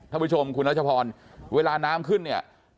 ผู้ชมคุณรัชพรเวลาน้ำขึ้นเนี่ย